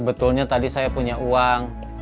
sebetulnya tadi saya punya uang